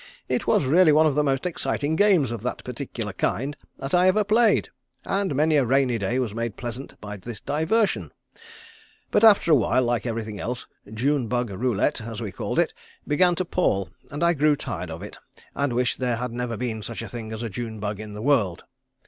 It was really one of the most exciting games of that particular kind that I ever played, and many a rainy day was made pleasant by this diversion. "But after awhile like everything else June bug Roulette as we called it began to pall and I grew tired of it and wished there never had been such a thing as a June bug in the world.